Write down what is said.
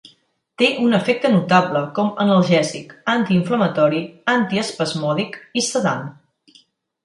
Té un efecte notable com analgèsic, antiinflamatori, antiespasmòdic i sedant.